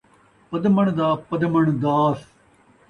پدمݨ دا پدمݨ داس